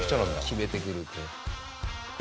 決めてくるって。